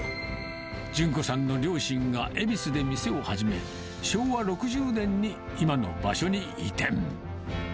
順子さんの両親が恵比寿で店を始め、昭和６０年に今の場所に移転。